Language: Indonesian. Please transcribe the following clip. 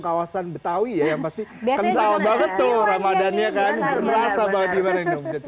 kawasan betawi yang pasti gampang bangetijk ramadannya vedrasa bagi gan curriculum biasanya